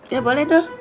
ya boleh dul